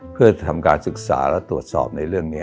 เพื่อทำการศึกษาและตรวจสอบในเรื่องนี้